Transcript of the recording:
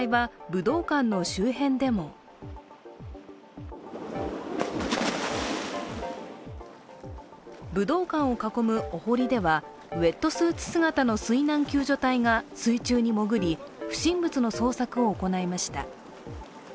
武道館を囲むお堀ではウエットスーツ姿の水難救助隊が水中に潜り、不審物の捜索を行いました。